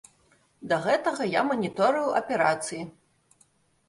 Да гэтага я маніторыў аперацыі.